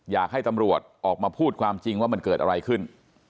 อยากให้ตำรวจออกมาพูดความจริงว่ามันเกิดอะไรขึ้น